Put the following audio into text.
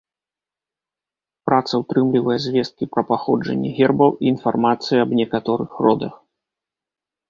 Праца ўтрымлівае звесткі пра паходжанне гербаў і інфармацыя аб некаторых родах.